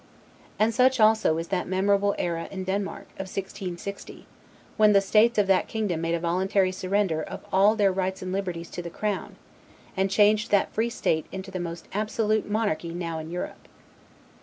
And such also is that memorable era in Denmark, of 1660; when the states of that kingdom made a voluntary surrender of all their rights and liberties to the Crown, and changed that free state into the most absolute monarchy now in Europe.